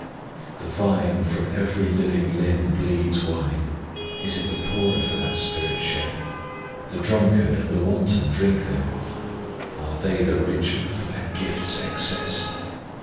...... The Vine from every living limb bleeds wine; Is it the poorer for that spirit shed? The drunkard and the wanton drink thereof; Are they the richer for that gift's excess?